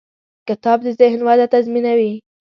کتاب د ذهن وده تضمینوي.